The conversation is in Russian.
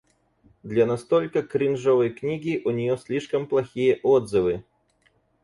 Для настолько кринжовой книги у неё слишком плохие отзывы.